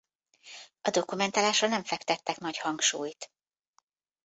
A dokumentálásra nem fektettek nagy hangsúlyt.